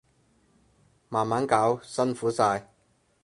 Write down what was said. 慢慢搞，辛苦晒